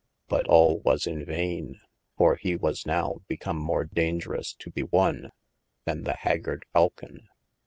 But al was in vaine, for he was now become more daungerous to be wone, than the haggard Faulcon.